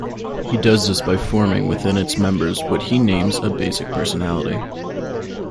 He does this by forming within its members what he names a basic personality.